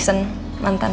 kau mau ngapain